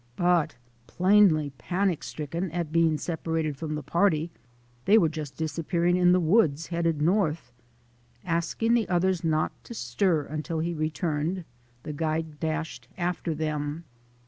But plainly panic stricken at being separated from the party, they were just disap pearing in the woods, headed north. Asking the others not to stir until he returned the guide dashed after them.